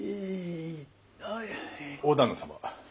大旦那様。